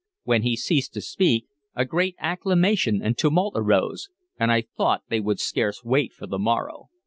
When he ceased to speak a great acclamation and tumult arose, and I thought they would scarce wait for the morrow.